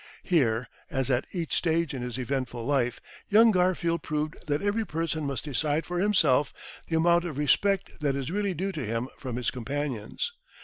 Here, as at each stage in his eventful life, young Garfield proved that every person must decide for himself the amount of respect that is really due to him from his companions.